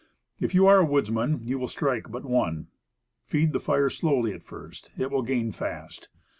If you are a woodsman you will strike but one. Feed the fire slowly at first; it will gain fast.